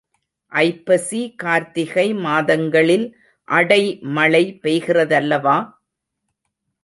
ஐப்பசி கார்த்திகை மாதங்களில் அடைமழை பெய்கிறதல்லவா?